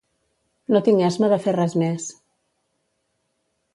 No tinc esma de fer res més